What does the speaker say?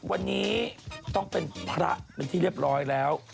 วันนี้ต้องเป็นพระเป็นที่เรียบร้อยแล้ว